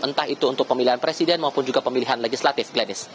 entah itu untuk pemilihan presiden maupun juga pemilihan legislatif glenis